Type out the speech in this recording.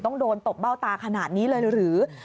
ต้องโดนตบเบ้าตาขนาดนี้เลยหรือ